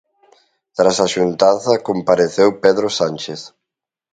Tras a xuntanza compareceu Pedro Sánchez.